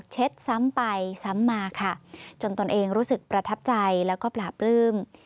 ซ้ำไปซ้ำมาค่ะจนตนเองรู้สึกประทับใจแล้วก็ปราบปลื้ม